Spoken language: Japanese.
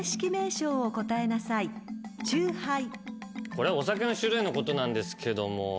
これお酒の種類のことなんですけども。